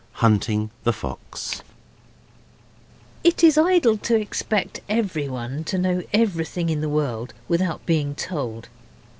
HUNTING THE FOX It is idle to expect everyone to know everything in the world without being told.